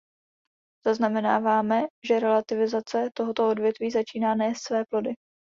Zaznamenáváme, že revitalizace tohoto odvětví začíná nést své plody.